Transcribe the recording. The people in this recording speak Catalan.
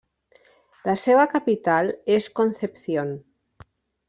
La seva capital és Concepción.